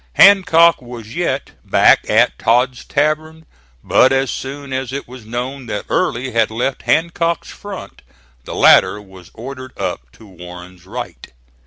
Hancock was yet back at Todd's Tavern, but as soon as it was known that Early had left Hancock's front the latter was ordered up to Warren's right.